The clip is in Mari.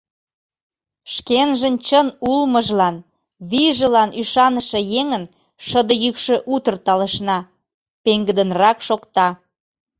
Шкенжын чын улмыжлан, вийжылан ӱшаныше еҥын шыде йӱкшӧ утыр талышна, пеҥгыдынрак шокта.